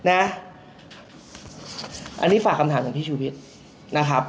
อันนี้ฝากคำถามถึงพี่ชูวิทย์นะครับ